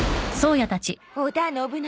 織田信長。